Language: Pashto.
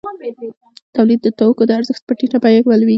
تولید د توکو د ارزښت په ټیټه بیه تمامېږي